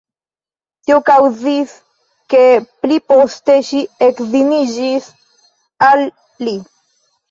Tio kaŭzis, ke pliposte ŝi edziniĝis al li.